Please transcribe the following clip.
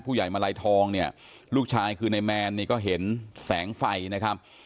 มาลัยทองเนี่ยลูกชายคือในแมนนี่ก็เห็นแสงไฟนะครับ